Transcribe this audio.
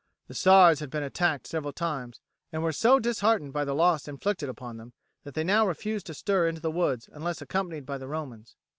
The Sards had been attacked several times, and were so disheartened by the losses inflicted upon them that they now refused to stir into the woods unless accompanied by the Romans.